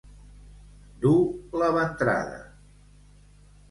Dur la ventrada.